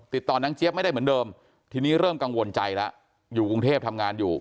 นางเจี๊ยบไม่ได้เหมือนเดิมทีนี้เริ่มกังวลใจแล้วอยู่กรุงเทพทำงานอยู่